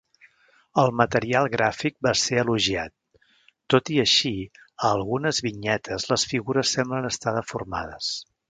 El material gràfic va ser elogiat, tot i així "a algunes vinyetes les figures semblen estar deformades".